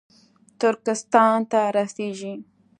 ترکستان ته رسېږي